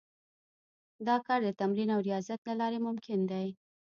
دا کار د تمرین او ریاضت له لارې ممکن دی